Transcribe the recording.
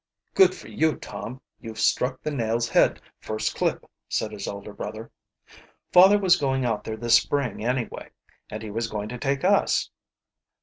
"Good for you, Tom! You've struck the nail's head first clip," said his elder brother. "Father was going out there this spring, anyway and he was going to take us."